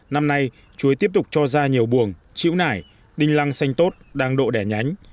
năm nay chuối tiếp tục cho ra nhiều buồn chịu nải đinh lăng xanh tốt đang độ đẻ nhánh